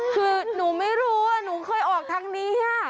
คือหนูไม่รู้ว่าหนูเคยออกทางนี้